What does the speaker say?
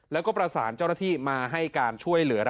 แล้วก็ประสานเจ้าหน้าที่มาให้การช่วยเหลือ